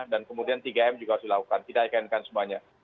dan kemudian tiga m juga harus dilakukan tidak dikarenakan semuanya